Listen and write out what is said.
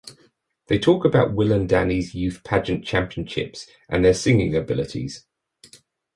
They talk about Will and Danny's youth-pageant championships and their singing abilities.